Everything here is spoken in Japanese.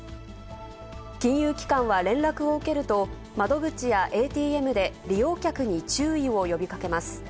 金融機関は連絡を受けると、窓口やＡＴＭで利用客に注意を呼びかけます。